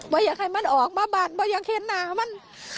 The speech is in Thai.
อยากให้มันออกมาบ้านว่าอยากเห็นหน้ามัน